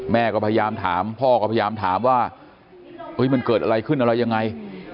แม่ก็พยายามถามพ่อก็พยายามถามว่ามันเกิดอะไรขึ้นอะไรยังไง